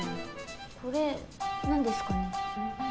これ何ですかね。